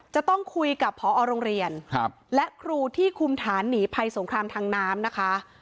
จะต้องคุยกับพอโรงเรียนและครูที่คุมฐานหนีภัยสงครามทางน้ำนะคะ